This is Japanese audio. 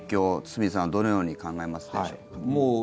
堤さんはどのように考えますでしょうか？